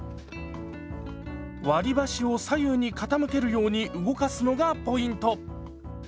割り箸を左右に傾けるように動かすのがポイント。